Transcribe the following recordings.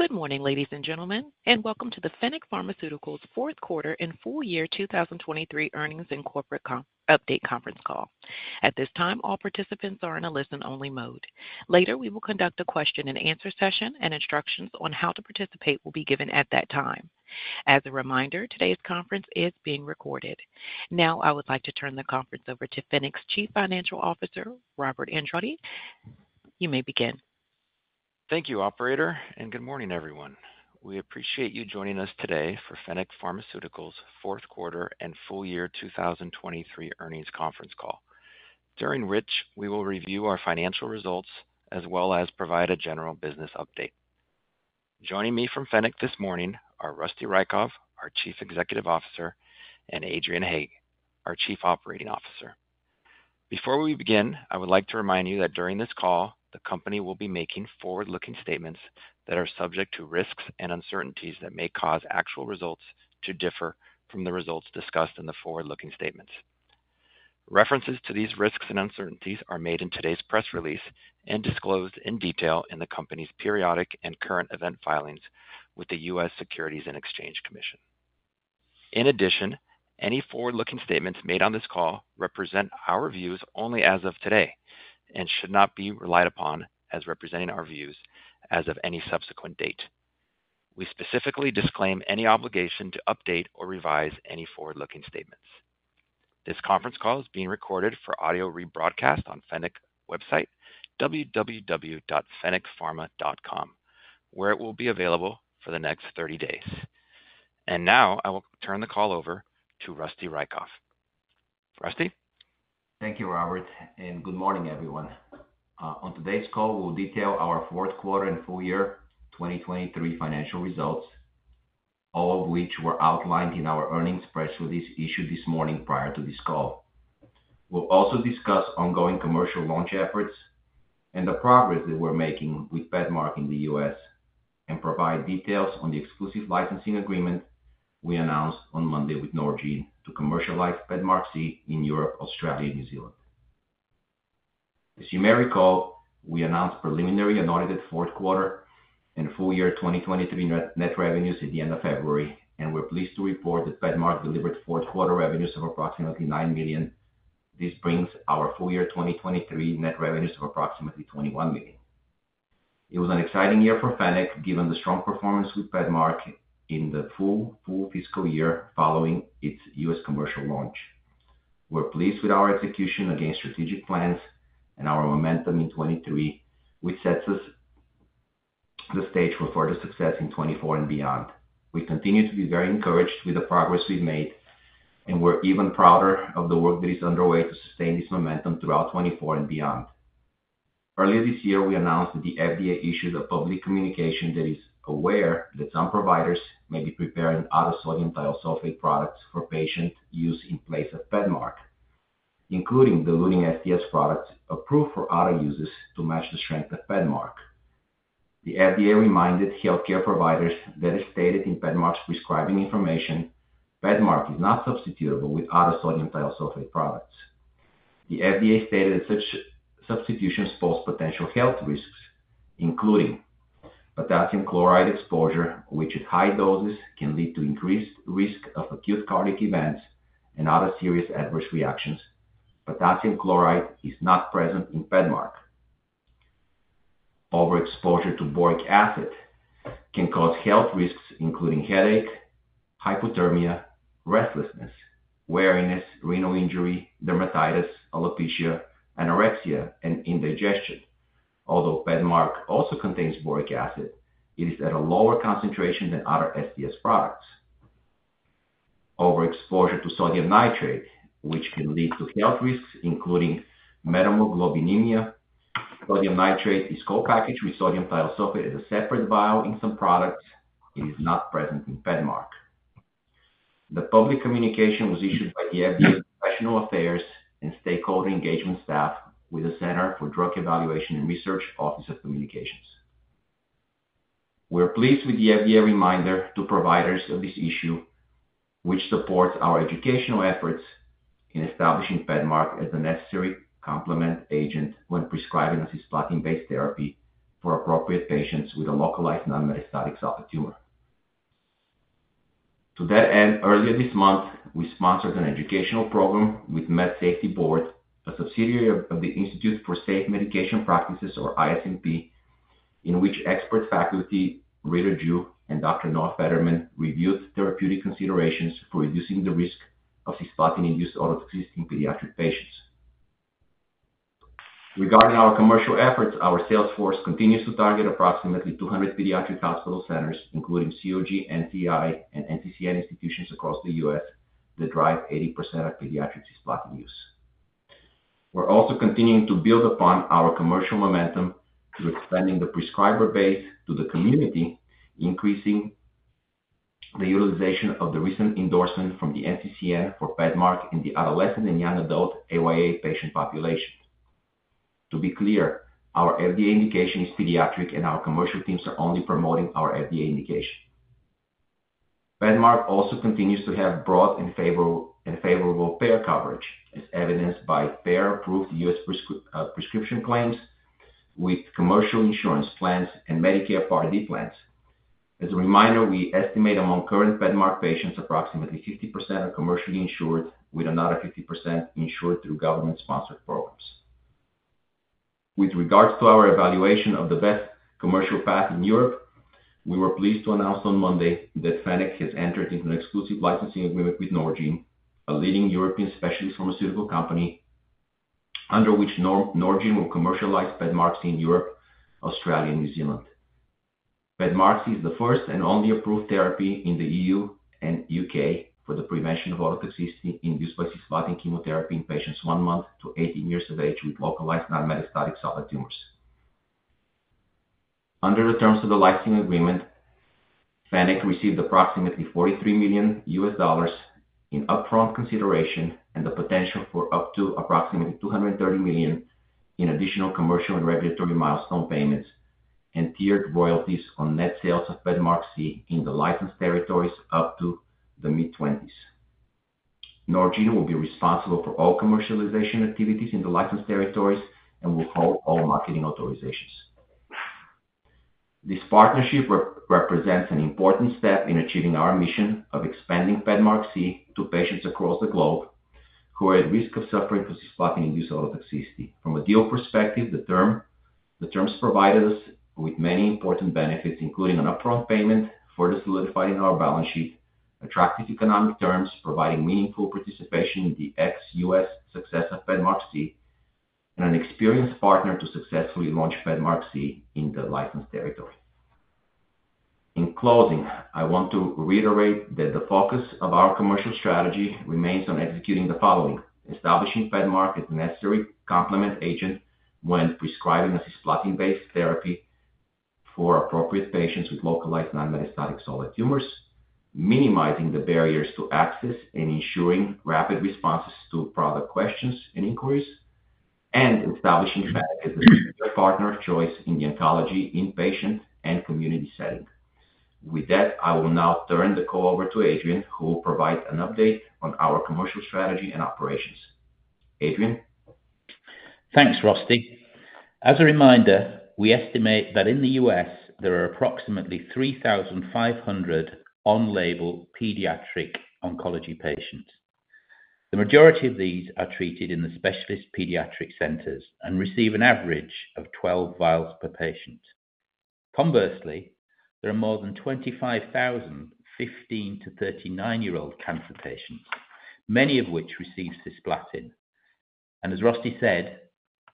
Good morning, ladies and gentlemen, and welcome to the Fennec Pharmaceuticals fourth quarter and full year 2023 earnings and corporate update conference call. At this time, all participants are in a listen-only mode. Later, we will conduct a question-and-answer session, and instructions on how to participate will be given at that time. As a reminder, today's conference is being recorded. Now I would like to turn the conference over to Fennec's Chief Financial Officer, Robert Andrade. You may begin. Thank you, operator, and good morning, everyone. We appreciate you joining us today for Fennec Pharmaceuticals fourth quarter and full year 2023 earnings conference call, during which we will review our financial results as well as provide a general business update. Joining me from Fennec this morning are Rosty Raykov, our Chief Executive Officer, and Adrian Haigh, our Chief Operating Officer. Before we begin, I would like to remind you that during this call, the company will be making forward-looking statements that are subject to risks and uncertainties that may cause actual results to differ from the results discussed in the forward-looking statements. References to these risks and uncertainties are made in today's press release and disclosed in detail in the company's periodic and current event filings with the U.S. Securities and Exchange Commission. In addition, any forward-looking statements made on this call represent our views only as of today and should not be relied upon as representing our views as of any subsequent date. We specifically disclaim any obligation to update or revise any forward-looking statements. This conference call is being recorded for audio rebroadcast on Fennec's website, www.fennecpharma.com, where it will be available for the next 30 days. Now I will turn the call over to Rosty Raykov. Rosty? Thank you, Robert, and good morning, everyone. On today's call, we'll detail our fourth quarter and full year 2023 financial results, all of which were outlined in our earnings press release issued this morning prior to this call. We'll also discuss ongoing commercial launch efforts and the progress that we're making with PEDMARK in the U.S. and provide details on the exclusive licensing agreement we announced on Monday with Norgine to commercialize PEDMARQSI in Europe, Australia, and New Zealand. As you may recall, we announced preliminary and audited fourth quarter and full year 2023 net revenues at the end of February, and we're pleased to report that PEDMARK delivered fourth quarter revenues of approximately $9 million. This brings our full year 2023 net revenues of approximately $21 million. It was an exciting year for Fennec given the strong performance with PEDMARK in the full, full fiscal year following its U.S. commercial launch. We're pleased with our execution against strategic plans and our momentum in 2023, which sets us the stage for further success in 2024 and beyond. We continue to be very encouraged with the progress we've made, and we're even prouder of the work that is underway to sustain this momentum throughout 2024 and beyond. Earlier this year, we announced that the FDA issued a public communication that is aware that some providers may be preparing other sodium thiosulfate products for patient use in place of PEDMARK, including diluting STS products approved for other uses to match the strength of PEDMARK. The FDA reminded healthcare providers that is stated in PEDMARK's prescribing information, "PEDMARK is not substitutable with other sodium thiosulfate products." The FDA stated that such substitutions pose potential health risks, including potassium chloride exposure, which at high doses can lead to increased risk of acute cardiac events and other serious adverse reactions. Potassium chloride is not present in PEDMARK. Overexposure to boric acid can cause health risks, including headache, hypothermia, restlessness, weariness, renal injury, dermatitis, alopecia, anorexia, and indigestion. Although PEDMARK also contains boric acid, it is at a lower concentration than other STS products. Overexposure to sodium nitrite, which can lead to health risks, including methemoglobinemia. Sodium nitrite is co-packaged with sodium thiosulfate as a separate vial in some products. It is not present in PEDMARK. The public communication was issued by the FDA Professional Affairs and Stakeholder Engagement staff with the Center for Drug Evaluation and Research Office of Communications. We're pleased with the FDA reminder to providers of this issue, which supports our educational efforts in establishing PEDMARK as a necessary complement agent when prescribing a cisplatin-based therapy for appropriate patients with a localized non-metastatic solid tumor. To that end, earlier this month, we sponsored an educational program with MedSafety Board, a subsidiary of the Institute for Safe Medication Practices, or ISMP, in which expert faculty Rita Jew and Dr. Noah Federman reviewed therapeutic considerations for reducing the risk of cisplatin-induced ototoxicity pediatric patients. Regarding our commercial efforts, our sales force continues to target approximately 200 pediatric hospital centers, including COG, NCI, and NCCN institutions across the U.S. that drive 80% of pediatric cisplatin use. We're also continuing to build upon our commercial momentum through expanding the prescriber base to the community, increasing the utilization of the recent endorsement from the NCCN for PEDMARK in the adolescent and young adult AYA patient population. To be clear, our FDA indication is pediatric, and our commercial teams are only promoting our FDA indication. PEDMARK also continues to have broad and favorable payer coverage, as evidenced by payer-approved U.S. prescription claims with commercial insurance plans and Medicare Part D plans. As a reminder, we estimate among current PEDMARK patients, approximately 50% are commercially insured with another 50% insured through government-sponsored programs. With regards to our evaluation of the best commercial path in Europe, we were pleased to announce on Monday that Fennec has entered into an exclusive licensing agreement with Norgine, a leading European specialist pharmaceutical company, under which Norgine will commercialize PEDMARQSI in Europe, Australia, and New Zealand. PEDMARQSI is the first and only approved therapy in the EU and UK for the prevention of ototoxicity induced by cisplatin chemotherapy in patients one month to 18 years of age with localized non-metastatic solid tumors. Under the terms of the licensing agreement, Fennec received approximately $43 million in upfront consideration and the potential for up to approximately $230 million in additional commercial and regulatory milestone payments and tiered royalties on net sales of PEDMARQSI in the licensed territories up to the mid-20s. Norgine will be responsible for all commercialization activities in the licensed territories and will hold all marketing authorizations. This partnership represents an important step in achieving our mission of expanding PEDMARQSI to patients across the globe who are at risk of suffering from cisplatin-induced ototoxicity. From a deal perspective, the terms provided us with many important benefits, including an upfront payment further solidifying our balance sheet, attractive economic terms providing meaningful participation in the ex-US success of PEDMARQSI, and an experienced partner to successfully launch PEDMARQSI in the licensed territory. In closing, I want to reiterate that the focus of our commercial strategy remains on executing the following: establishing PEDMARK as a necessary complement agent when prescribing a cisplatin-based therapy for appropriate patients with localized non-metastatic solid tumors, minimizing the barriers to access and ensuring rapid responses to product questions and inquiries, and establishing Fennec as the partner of choice in the oncology inpatient and community setting. With that, I will now turn the call over to Adrian, who will provide an update on our commercial strategy and operations. Adrian? Thanks, Rosty. As a reminder, we estimate that in the U.S., there are approximately 3,500 on-label pediatric oncology patients. The majority of these are treated in the specialist pediatric centers and receive an average of 12 vials per patient. Conversely, there are more than 25,000 15- to 39-year-old cancer patients, many of which receive cisplatin. As Rosty said,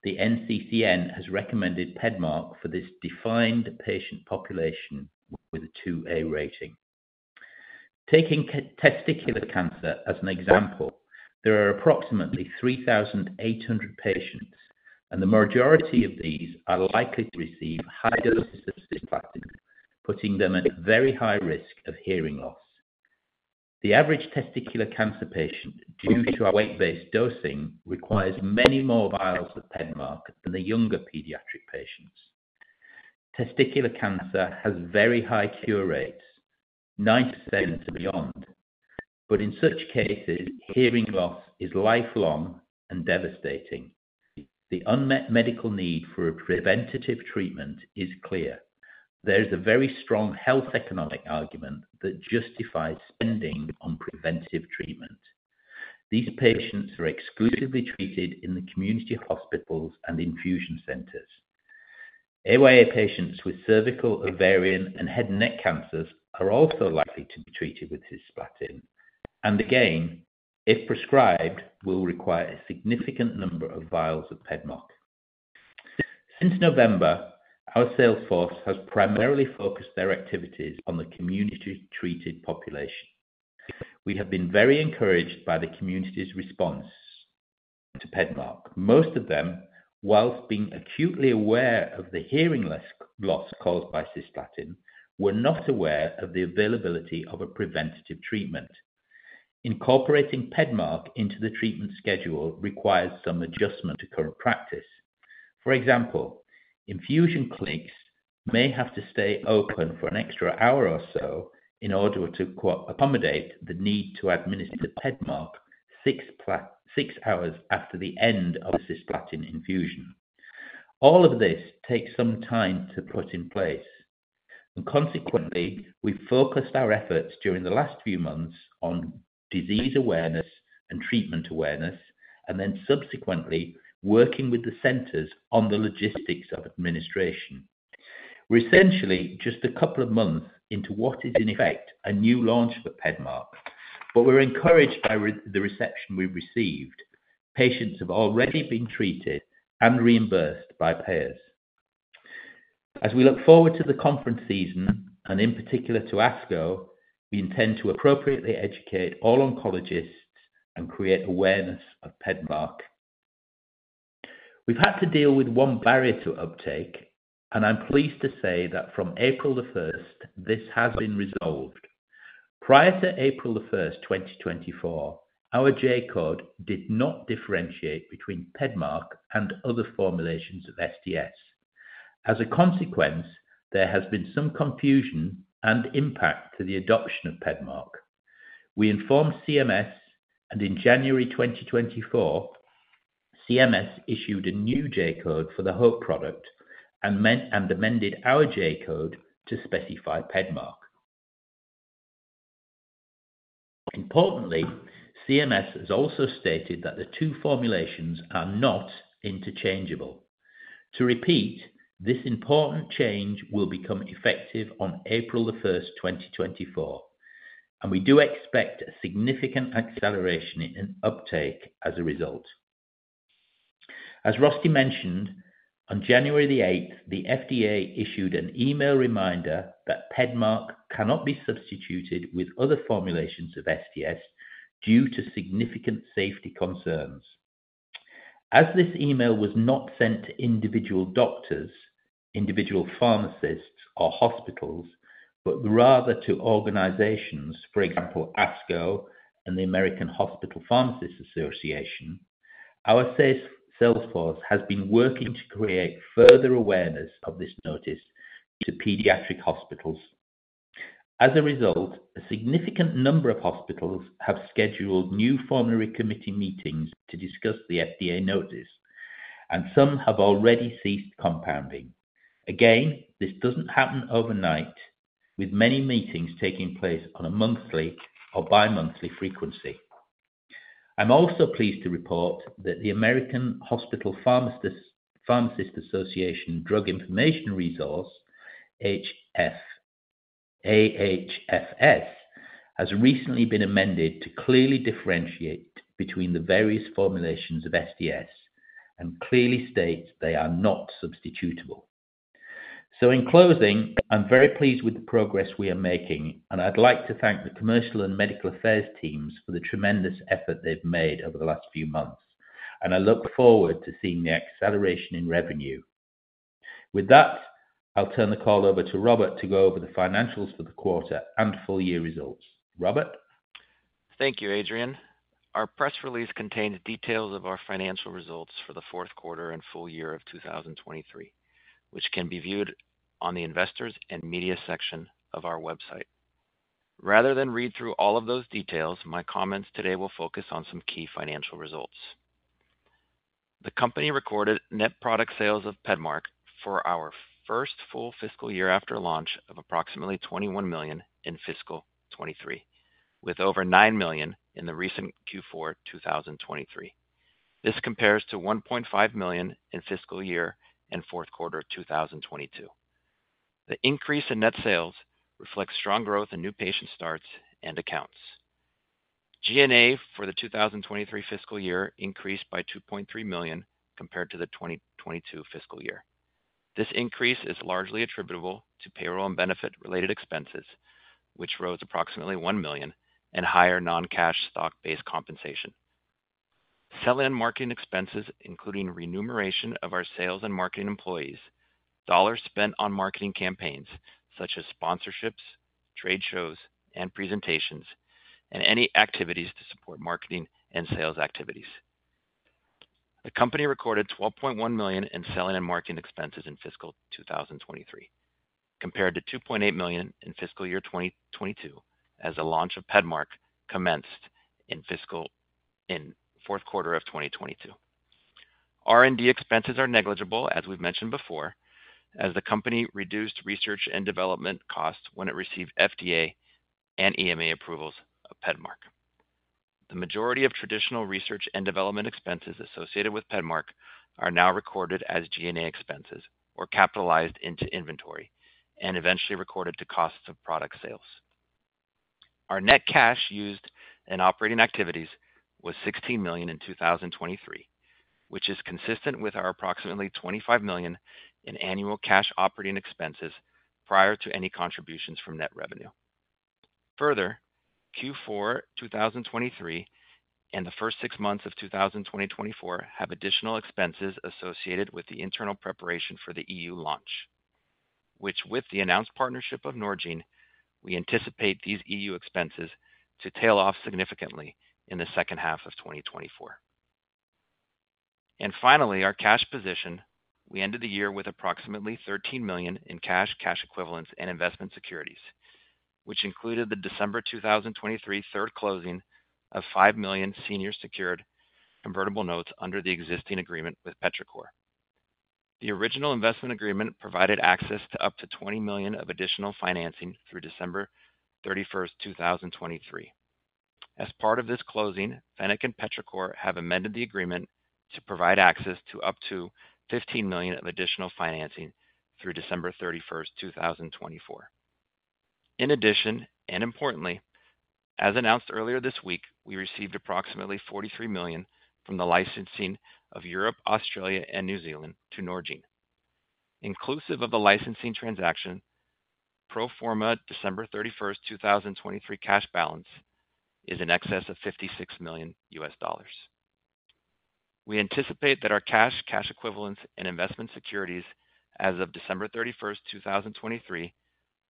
the NCCN has recommended PEDMARK for this defined patient population with a 2A rating. Taking testicular cancer as an example, there are approximately 3,800 patients, and the majority of these are likely to receive high doses of cisplatin, putting them at very high risk of hearing loss. The average testicular cancer patient due to our weight-based dosing requires many more vials of PEDMARK than the younger pediatric patients. Testicular cancer has very high cure rates, 90% and beyond. In such cases, hearing loss is lifelong and devastating. The unmet medical need for preventative treatment is clear. There is a very strong health economic argument that justifies spending on preventative treatment. These patients are exclusively treated in the community hospitals and infusion centers. AYA patients with cervical, ovarian, and head and neck cancers are also likely to be treated with cisplatin. And again, if prescribed, will require a significant number of vials of PEDMARK. Since November, our sales force has primarily focused their activities on the community-treated population. We have been very encouraged by the community's response to PEDMARK. Most of them, whilst being acutely aware of the hearing loss caused by cisplatin, were not aware of the availability of a preventative treatment. Incorporating PEDMARK into the treatment schedule requires some adjustment to current practice. For example, infusion clinics may have to stay open for an extra hour or so in order to accommodate the need to administer PEDMARK six hours after the end of the cisplatin infusion. All of this takes some time to put in place. And consequently, we've focused our efforts during the last few months on disease awareness and treatment awareness, and then subsequently working with the centers on the logistics of administration. We're essentially just a couple of months into what is, in effect, a new launch for PEDMARK. But we're encouraged by the reception we've received. Patients have already been treated and reimbursed by payers. As we look forward to the conference season and in particular to ASCO, we intend to appropriately educate all oncologists and create awareness of PEDMARK. We've had to deal with one barrier to uptake, and I'm pleased to say that from April 1st, this has been resolved. Prior to April 1st, 2024, our J-code did not differentiate between PEDMARK and other formulations of STS. As a consequence, there has been some confusion and impact to the adoption of PEDMARK. We informed CMS, and in January 2024, CMS issued a new J-code for the Hope product and amended our J-code to specify PEDMARK. Importantly, CMS has also stated that the two formulations are not interchangeable. To repeat, this important change will become effective on April 1st, 2024. And we do expect a significant acceleration in uptake as a result. As Rosty mentioned, on January 8th, the FDA issued an email reminder that PEDMARK cannot be substituted with other formulations of STS due to significant safety concerns. As this email was not sent to individual doctors, individual pharmacists, or hospitals, but rather to organizations, for example, ASCO and the American Hospital Pharmacists Association, our sales force has been working to create further awareness of this notice to pediatric hospitals. As a result, a significant number of hospitals have scheduled new formulary committee meetings to discuss the FDA notice, and some have already ceased compounding. Again, this doesn't happen overnight, with many meetings taking place on a monthly or bi-monthly frequency. I'm also pleased to report that the American Hospital Pharmacists Association Drug Information Resource, AHFS, has recently been amended to clearly differentiate between the various formulations of STS and clearly states they are not substitutable. So in closing, I'm very pleased with the progress we are making, and I'd like to thank the commercial and medical affairs teams for the tremendous effort they've made over the last few months. I look forward to seeing the acceleration in revenue. With that, I'll turn the call over to Robert to go over the financials for the quarter and full year results. Robert? Thank you, Adrian. Our press release contains details of our financial results for the fourth quarter and full year of 2023, which can be viewed on the investors and media section of our website. Rather than read through all of those details, my comments today will focus on some key financial results. The company recorded net product sales of PEDMARK for our first full fiscal year after launch of approximately $21 million in fiscal 2023, with over $9 million in the recent Q4 2023. This compares to $1.5 million in fiscal year and fourth quarter 2022. The increase in net sales reflects strong growth in new patient starts and accounts. G&A for the 2023 fiscal year increased by $2.3 million compared to the 2022 fiscal year. This increase is largely attributable to payroll and benefit-related expenses, which rose approximately $1 million, and higher non-cash stock-based compensation. Selling and marketing marketing expenses, including remuneration of our sales and marketing employees, dollars spent on marketing campaigns such as sponsorships, trade shows, and presentations, and any activities to support marketing and sales activities. The company recorded $12.1 million in sell-in and marketing expenses in fiscal 2023, compared to $2.8 million in fiscal year 2022 as the launch of PEDMARK commenced in fiscal in fourth quarter of 2022. R&D expenses are negligible, as we've mentioned before, as the company reduced research and development costs when it received FDA and EMA approvals of PEDMARK. The majority of traditional research and development expenses associated with PEDMARK are now recorded as G&A expenses or capitalized into inventory and eventually recorded to costs of product sales. Our net cash used in operating activities was $16 million in 2023, which is consistent with our approximately $25 million in annual cash operating expenses prior to any contributions from net revenue. Further, Q4 2023 and the first six months of 2024 have additional expenses associated with the internal preparation for the EU launch. Which, with the announced partnership of Norgine, we anticipate these EU expenses to tail off significantly in the second half of 2024. And finally, our cash position, we ended the year with approximately $13 million in cash, cash equivalents, and investment securities, which included the December 2023 third closing of $5 million senior-secured convertible notes under the existing agreement with Petrichor. The original investment agreement provided access to up to $20 million of additional financing through December 31st, 2023. As part of this closing, Fennec and Petrichor have amended the agreement to provide access to up to $15 million of additional financing through December 31st, 2024. In addition, and importantly, as announced earlier this week, we received approximately $43 million from the licensing of Europe, Australia, and New Zealand to Norgine. Inclusive of the licensing transaction, pro forma December 31st, 2023 cash balance is in excess of $56 million. We anticipate that our cash, cash equivalents, and investment securities as of December 31st, 2023,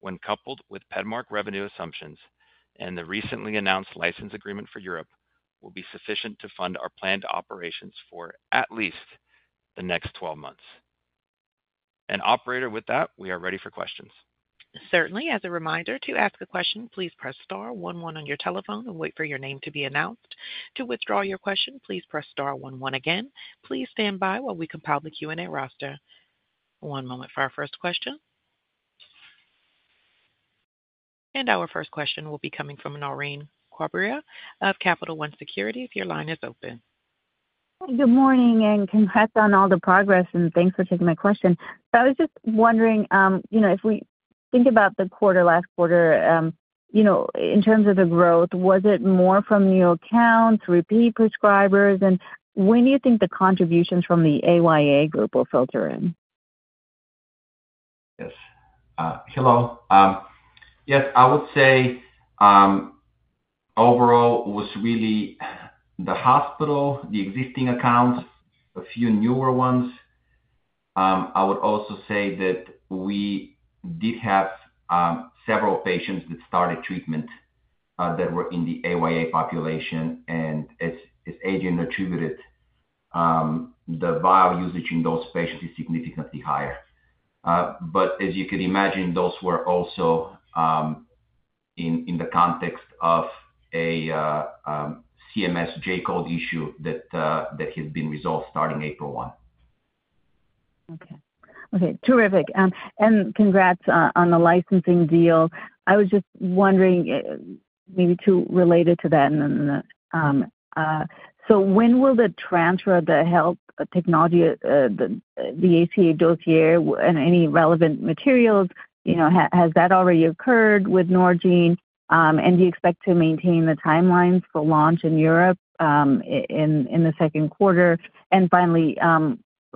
when coupled with PEDMARK revenue assumptions and the recently announced license agreement for Europe, will be sufficient to fund our planned operations for at least the next 12 months. And operator, with that, we are ready for questions. Certainly. As a reminder, to ask a question, please press star 11 on your telephone and wait for your name to be announced. To withdraw your question, please press star 11 again. Please stand by while we compile the Q&A roster. One moment for our first question. Our first question will be coming from Naureen Quibria of Capital One Securities. Your line is open. Good morning and congrats on all the progress, and thanks for taking my question. So I was just wondering, you know, if we think about the quarter, last quarter, you know, in terms of the growth, was it more from new accounts, repeat prescribers, and when do you think the contributions from the AYA group will filter in? Yes. Hello. Yes, I would say overall it was really the hospital, the existing accounts, a few newer ones. I would also say that we did have several patients that started treatment that were in the AYA population, and as Adrian attributed, the vial usage in those patients is significantly higher. But as you can imagine, those were also in the context of a CMS J-code issue that has been resolved starting April 1. Okay. Okay. Terrific. And congrats on the licensing deal. I was just wondering, maybe too related to that, and then so when will the transfer of the health technology, the HTA dossier, and any relevant materials, you know, has that already occurred with Norgine, and do you expect to maintain the timelines for launch in Europe in the second quarter? And finally,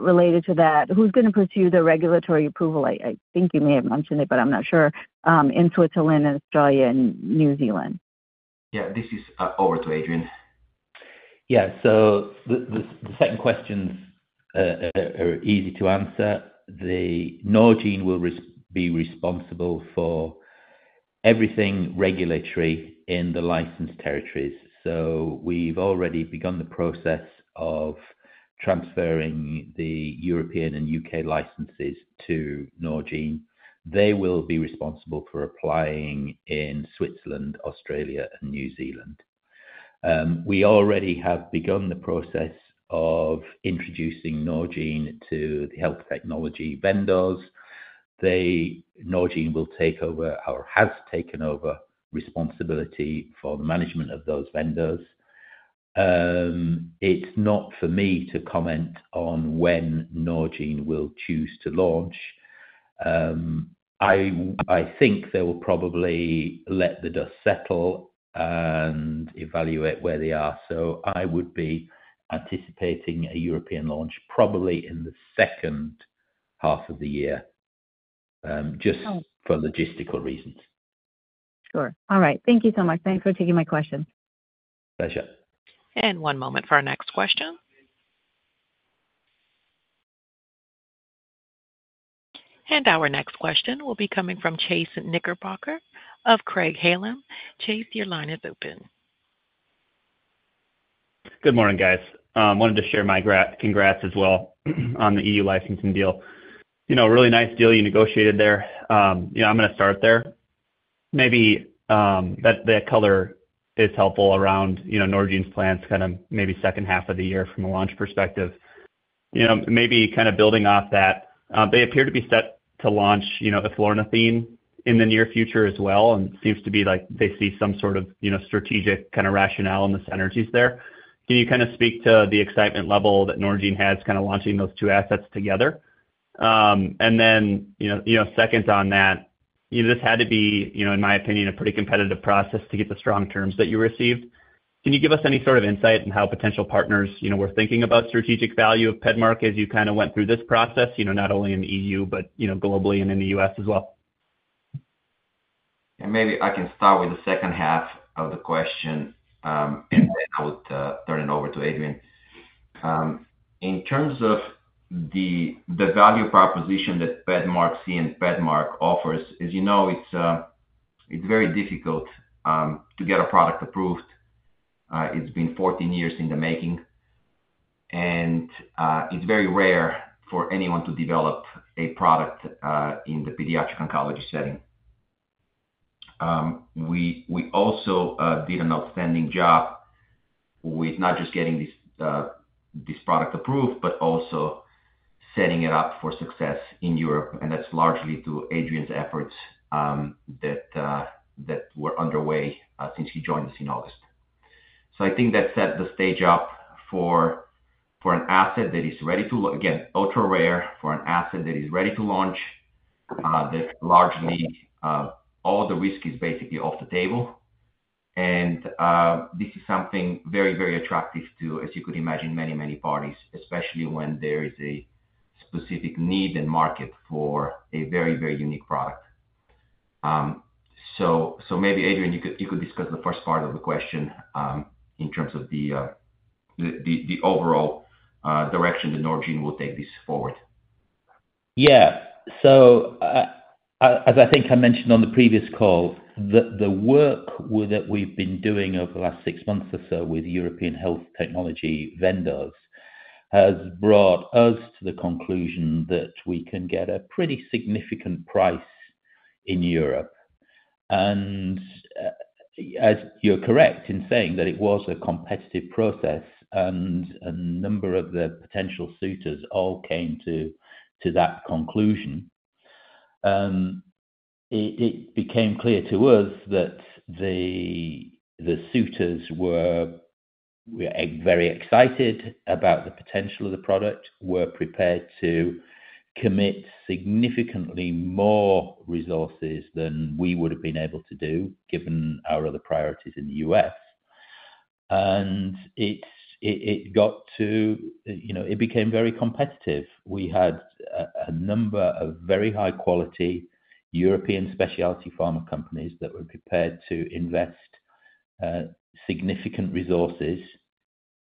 related to that, who's going to pursue the regulatory approval? I think you may have mentioned it, but I'm not sure, in Switzerland and Australia and New Zealand. Yeah. This is over to Adrian. Yeah. So the second questions are easy to answer. Norgine will be responsible for everything regulatory in the licensed territories. So we've already begun the process of transferring the European and U.K. licenses to Norgine. They will be responsible for applying in Switzerland, Australia, and New Zealand. We already have begun the process of introducing Norgine to the health technology vendors. Norgine will take over or has taken over responsibility for the management of those vendors. It's not for me to comment on when Norgine will choose to launch. I think they will probably let the dust settle and evaluate where they are. So I would be anticipating a European launch probably in the second half of the year, just for logistical reasons. Sure. All right. Thank you so much. Thanks for taking my question. Pleasure. One moment for our next question. Our next question will be coming from Chase Knickerbocker of Craig-Hallum. Chase, your line is open. Good morning, guys. Wanted to share my congrats as well on the EU licensing deal. You know, a really nice deal you negotiated there. You know, I'm going to start there. Maybe that color is helpful around Norgine's plans, kind of maybe second half of the year from a launch perspective. You know, maybe kind of building off that, they appear to be set to launch eflornithine in the near future as well and seems to be like they see some sort of strategic kind of rationale in the synergies there. Can you kind of speak to the excitement level that Norgine has kind of launching those two assets together? And then, you know, second on that, you know, this had to be, you know, in my opinion, a pretty competitive process to get the strong terms that you received. Can you give us any sort of insight in how potential partners, you know, were thinking about strategic value of PEDMARK as you kind of went through this process, you know, not only in the EU, but, you know, globally and in the U.S. as well? Maybe I can start with the second half of the question, and then I would turn it over to Adrian. In terms of the value proposition that PEDMARQSI and PEDMARK offers, as you know, it's very difficult to get a product approved. It's been 14 years in the making. It's very rare for anyone to develop a product in the pediatric oncology setting. We also did an outstanding job with not just getting this product approved, but also setting it up for success in Europe. And that's largely to Adrian's efforts that were underway since he joined us in August. So I think that set the stage up for an asset that is ready to again, ultra-rare for an asset that is ready to launch, that largely all the risk is basically off the table. This is something very, very attractive to, as you could imagine, many, many parties, especially when there is a specific need and market for a very, very unique product. Maybe, Adrian, you could discuss the first part of the question in terms of the overall direction that Norgine will take this forward. Yeah. So as I think I mentioned on the previous call, the work that we've been doing over the last six months or so with European health technology vendors has brought us to the conclusion that we can get a pretty significant price in Europe. And as you're correct in saying that it was a competitive process and a number of the potential suitors all came to that conclusion. It became clear to us that the suitors were very excited about the potential of the product, were prepared to commit significantly more resources than we would have been able to do given our other priorities in the U.S. And it got to you know, it became very competitive. We had a number of very high-quality European specialty pharma companies that were prepared to invest significant resources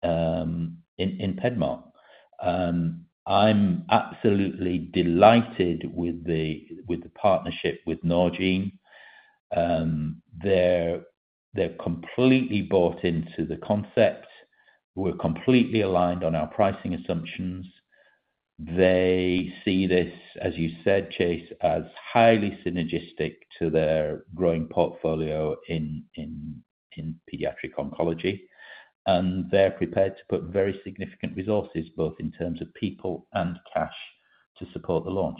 in PEDMARK. I'm absolutely delighted with the partnership with Norgine. They're completely bought into the concept. We're completely aligned on our pricing assumptions. They see this, as you said, Chase, as highly synergistic to their growing portfolio in pediatric oncology. And they're prepared to put very significant resources, both in terms of people and cash, to support the launch,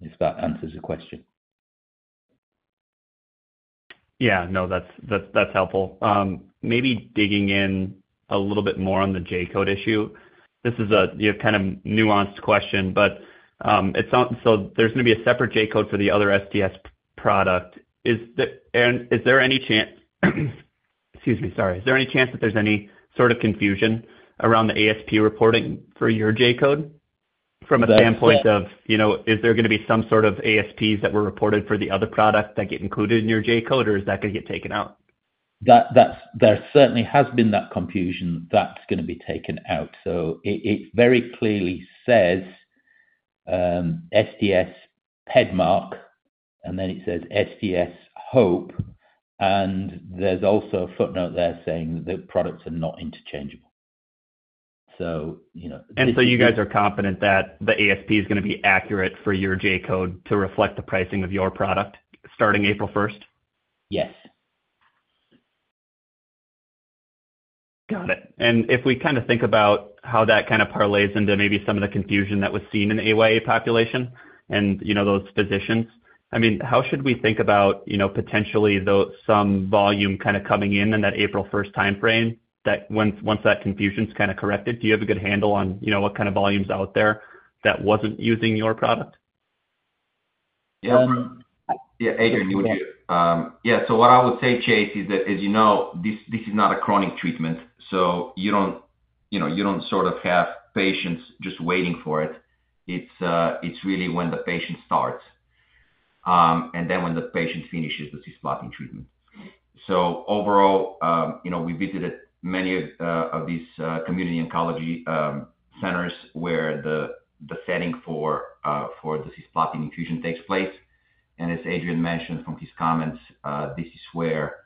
if that answers the question. Yeah. No, that's helpful. Maybe digging in a little bit more on the J-code issue. This is a kind of nuanced question, but it sounds so there's going to be a separate J-code for the other STS product. Is there any chance excuse me, sorry. Is there any chance that there's any sort of confusion around the ASP reporting for your J-code from a standpoint of, you know, is there going to be some sort of ASPs that were reported for the other product that get included in your J-code, or is that going to get taken out? There certainly has been that confusion that's going to be taken out. So it very clearly says STS PEDMARK, and then it says STS Hope. And there's also a footnote there saying that the products are not interchangeable. So, you know. So you guys are confident that the ASP is going to be accurate for your J-code to reflect the pricing of your product starting April 1st? Yes. Got it. And if we kind of think about how that kind of parlays into maybe some of the confusion that was seen in the AYA population and, you know, those physicians, I mean, how should we think about, you know, potentially some volume kind of coming in in that April 1st timeframe? That once that confusion's kind of corrected, do you have a good handle on, you know, what kind of volume's out there that wasn't using your product? Yeah. Adrian, you would do it. Yeah. So what I would say, Chase, is that, as you know, this is not a chronic treatment. So you don't sort of have patients just waiting for it. It's really when the patient starts and then when the patient finishes the cisplatin treatment. So overall, you know, we visited many of these community oncology centers where the setting for the cisplatin infusion takes place. And as Adrian mentioned from his comments, this is where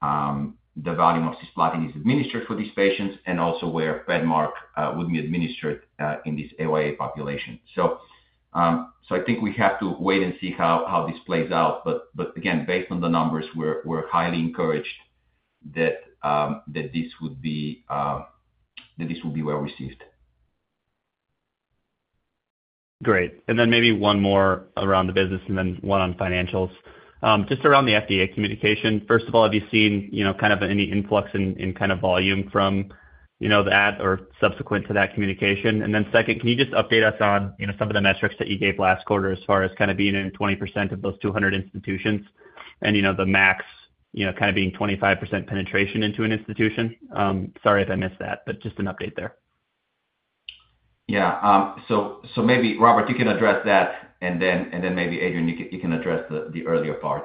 the volume of cisplatin is administered for these patients and also where PEDMARK would be administered in this AYA population. So I think we have to wait and see how this plays out. But again, based on the numbers, we're highly encouraged that this would be where received. Great. And then maybe one more around the business and then one on financials. Just around the FDA communication, first of all, have you seen, you know, kind of any influx in kind of volume from, you know, that or subsequent to that communication? And then second, can you just update us on, you know, some of the metrics that you gave last quarter as far as kind of being in 20% of those 200 institutions and, you know, the max, you know, kind of being 25% penetration into an institution? Sorry if I missed that, but just an update there. Yeah. So maybe, Robert, you can address that, and then maybe, Adrian, you can address the earlier part.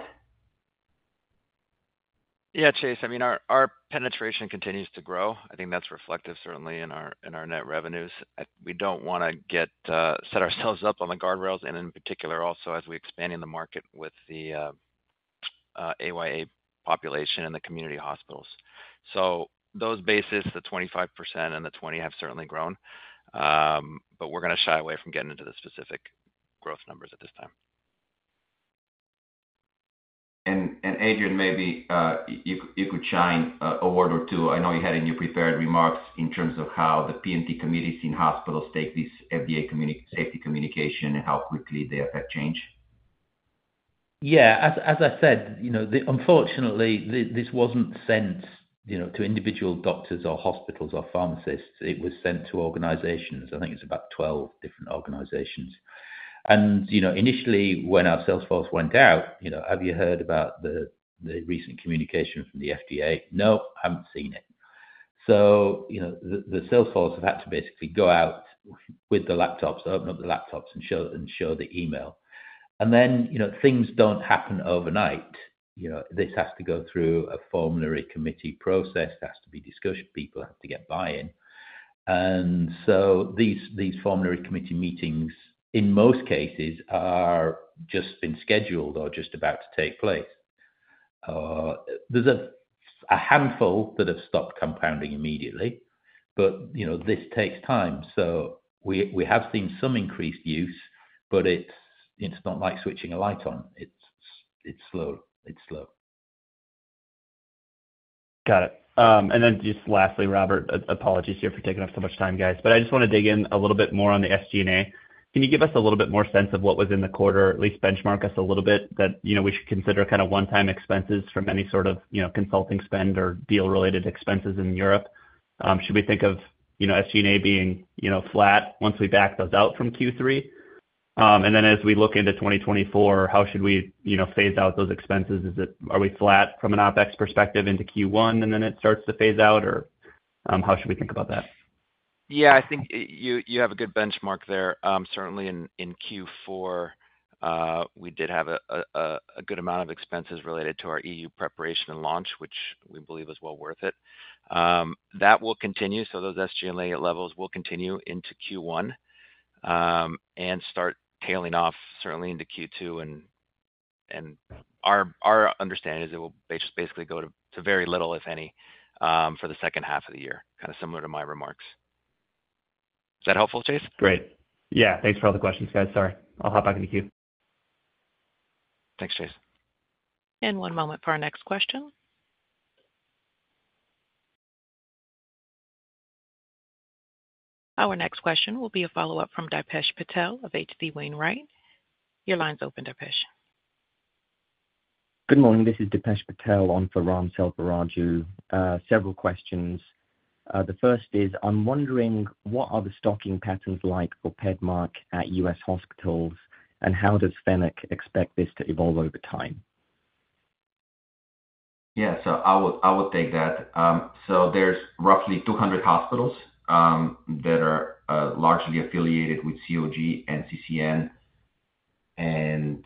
Yeah, Chase. I mean, our penetration continues to grow. I think that's reflective, certainly, in our net revenues. We don't want to set ourselves up on the guardrails, and in particular, also as we're expanding the market with the AYA population and the community hospitals. So those bases, the 25% and the 20%, have certainly grown. But we're going to shy away from getting into the specific growth numbers at this time. Adrian, maybe you could say a word or two. I know you had in your prepared remarks in terms of how the P&T committees in hospitals take this FDA safety communication and how quickly they effect change. Yeah. As I said, you know, unfortunately, this wasn't sent, you know, to individual doctors or hospitals or pharmacists. It was sent to organizations. I think it's about 12 different organizations. And, you know, initially, when our sales force went out, you know, "Have you heard about the recent communication from the FDA?" "No, I haven't seen it." So, you know, the sales force have had to basically go out with the laptops, open up the laptops, and show the email. And then, you know, things don't happen overnight. You know, this has to go through a formulary committee process. It has to be discussed. People have to get buy-in. And so these formulary committee meetings, in most cases, are just been scheduled or just about to take place. There's a handful that have stopped compounding immediately. But, you know, this takes time. We have seen some increased use, but it's not like switching a light on. It's slow. It's slow. Got it. And then just lastly, Robert, apologies here for taking up so much time, guys. But I just want to dig in a little bit more on the SG&A. Can you give us a little bit more sense of what was in the quarter, at least benchmark us a little bit that, you know, we should consider kind of one-time expenses from any sort of, you know, consulting spend or deal-related expenses in Europe? Should we think of, you know, SG&A being, you know, flat once we back those out from Q3? And then as we look into 2024, how should we, you know, phase out those expenses? Are we flat from an OpEx perspective into Q1 and then it starts to phase out, or how should we think about that? Yeah. I think you have a good benchmark there. Certainly, in Q4, we did have a good amount of expenses related to our EU preparation and launch, which we believe is well worth it. That will continue. So those SG&A levels will continue into Q1 and start tailing off, certainly, into Q2. And our understanding is it will basically go to very little, if any, for the second half of the year, kind of similar to my remarks. Is that helpful, Chase? Great. Yeah. Thanks for all the questions, guys. Sorry. I'll hop back into queue. Thanks, Chase. One moment for our next question. Our next question will be a follow-up from Dipesh Patel of H.C. Wainwright. Your line's open, Dipesh. Good morning. This is Dipesh Patel on Raghuram Selvaraju. Several questions. The first is, I'm wondering, what are the stocking patterns like for PEDMARK at U.S. hospitals, and how does Fennec expect this to evolve over time? Yeah. So I would take that. So there's roughly 200 hospitals that are largely affiliated with COG and NCCN. And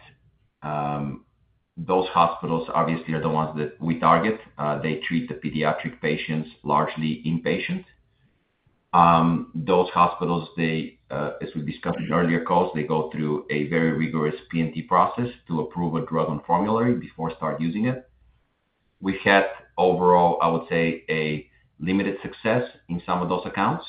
those hospitals, obviously, are the ones that we target. They treat the pediatric patients largely inpatient. Those hospitals, as we discussed in earlier calls, they go through a very rigorous P&T process to approve a drug on formulary before starting using it. We've had, overall, I would say, a limited success in some of those accounts.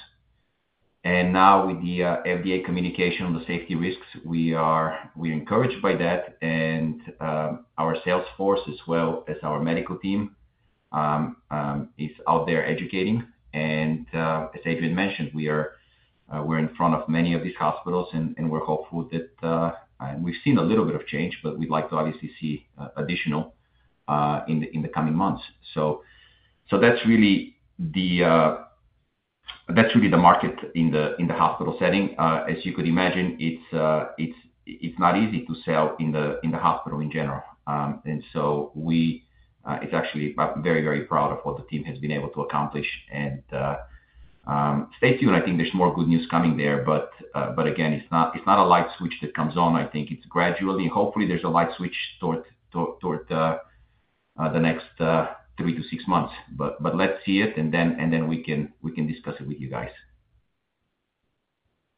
And now, with the FDA communication on the safety risks, we are encouraged by that. And our sales force, as well as our medical team, is out there educating. And as Adrian mentioned, we're in front of many of these hospitals, and we're hopeful that we've seen a little bit of change, but we'd like to, obviously, see additional in the coming months. So that's really the market in the hospital setting. As you could imagine, it's not easy to sell in the hospital in general. So it's actually very, very proud of what the team has been able to accomplish. And stay tuned. I think there's more good news coming there. But again, it's not a light switch that comes on. I think it's gradually. And hopefully, there's a light switch toward the next 3-6 months. But let's see it, and then we can discuss it with you guys.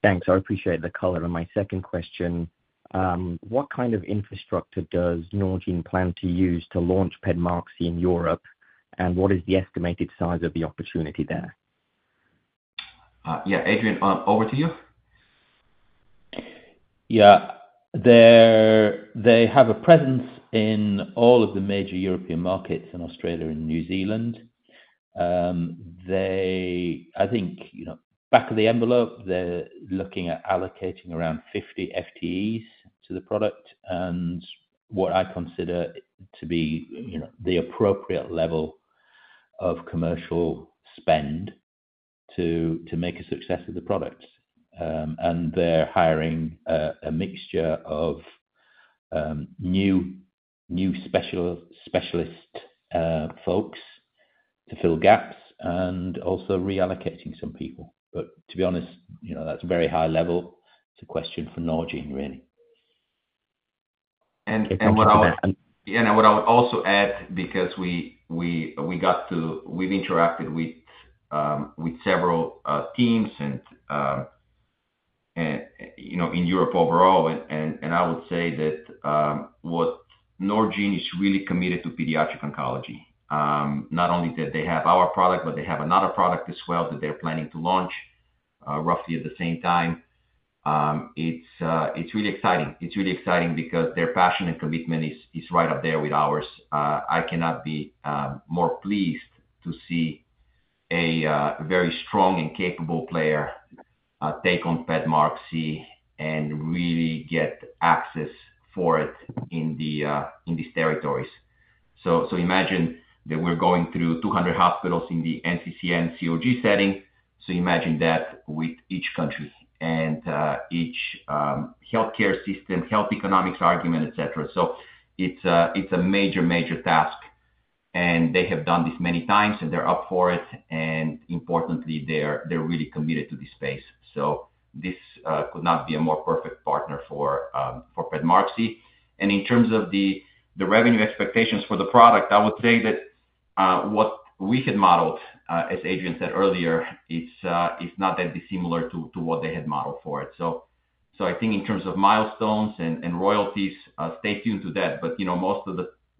Thanks. I appreciate the color. My second question, what kind of infrastructure does Norgine plan to use to launch PEDMARQSI in Europe, and what is the estimated size of the opportunity there? Yeah. Adrian, over to you. Yeah. They have a presence in all of the major European markets in Australia and New Zealand. I think, back of the envelope, they're looking at allocating around 50 FTEs to the product and what I consider to be the appropriate level of commercial spend to make a success of the product. And they're hiring a mixture of new specialist folks to fill gaps and also reallocating some people. But to be honest, that's a very high level. It's a question for Norgine, really. What I would also add, because we've interacted with several teams and in Europe overall, and I would say that Norgine is really committed to pediatric oncology. Not only that they have our product, but they have another product as well that they're planning to launch roughly at the same time. It's really exciting. It's really exciting because their passion and commitment is right up there with ours. I cannot be more pleased to see a very strong and capable player take on PEDMARK and really get access for it in these territories. So imagine that we're going through 200 hospitals in the NCCN COG setting. So imagine that with each country and each healthcare system, health economics argument, etc. So it's a major, major task. And they have done this many times, and they're up for it. And importantly, they're really committed to this space. This could not be a more perfect partner for PEDMARQSI. In terms of the revenue expectations for the product, I would say that what we had modeled, as Adrian said earlier, it's not that dissimilar to what they had modeled for it. I think in terms of milestones and royalties, stay tuned to that.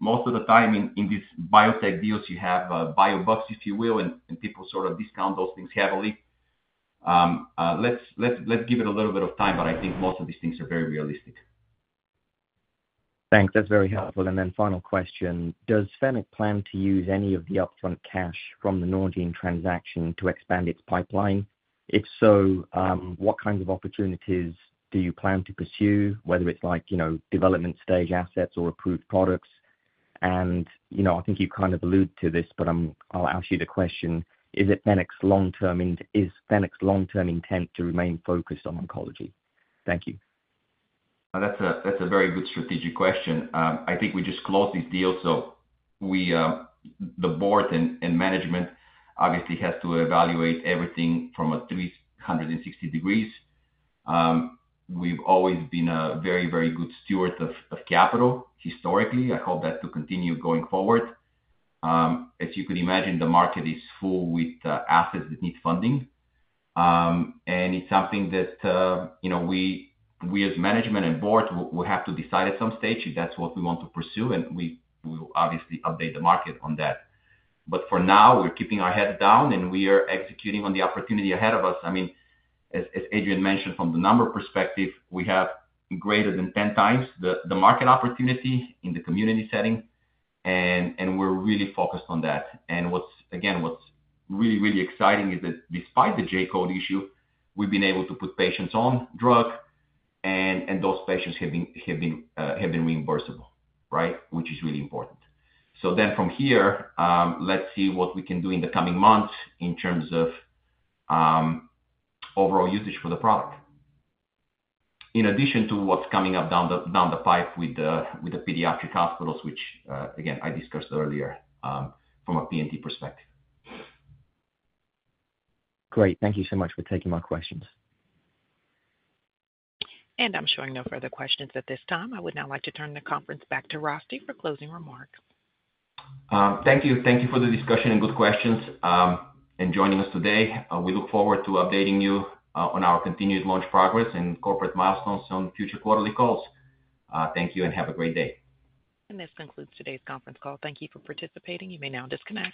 Most of the time in these biotech deals, you have bio bucks, if you will, and people sort of discount those things heavily. Let's give it a little bit of time, but I think most of these things are very realistic. Thanks. That's very helpful. And then final question, does Fennec plan to use any of the upfront cash from the Norgine transaction to expand its pipeline? If so, what kinds of opportunities do you plan to pursue, whether it's development-stage assets or approved products? And I think you kind of alluded to this, but I'll ask you the question. Is Fennec's long-term intent to remain focused on oncology? Thank you. That's a very good strategic question. I think we just closed this deal. So the board and management obviously has to evaluate everything from 360 degrees. We've always been a very, very good steward of capital historically. I hope that to continue going forward. As you could imagine, the market is full with assets that need funding. And it's something that we, as management and board, will have to decide at some stage if that's what we want to pursue. And we will obviously update the market on that. But for now, we're keeping our heads down, and we are executing on the opportunity ahead of us. I mean, as Adrian mentioned, from the number perspective, we have greater than 10 times the market opportunity in the community setting. And we're really focused on that. Again, what's really, really exciting is that despite the J-code issue, we've been able to put patients on drug, and those patients have been reimbursable, right, which is really important. Then from here, let's see what we can do in the coming months in terms of overall usage for the product, in addition to what's coming up down the pipe with the pediatric hospitals, which, again, I discussed earlier from a P&T perspective. Great. Thank you so much for taking my questions. I'm showing no further questions at this time. I would now like to turn the conference back to Rosty for closing remarks. Thank you. Thank you for the discussion and good questions and joining us today. We look forward to updating you on our continued launch progress and corporate milestones on future quarterly calls. Thank you, and have a great day. This concludes today's conference call. Thank you for participating. You may now disconnect.